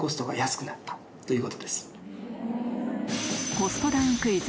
コストダウンクイズ